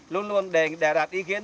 luôn luôn để đạt ý kiến